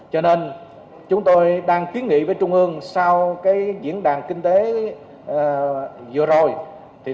cho nên chúng tôi đang kiến nghị với trung ương sau diễn đàn kinh tế vừa rồi